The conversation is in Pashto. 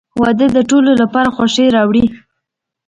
• واده د ټولو لپاره خوښي راوړي.